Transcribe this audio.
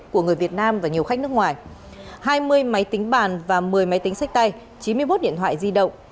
của người việt nam và nhiều khách nước ngoài hai mươi máy tính bàn và một mươi máy tính sách tay chín mươi một điện thoại di động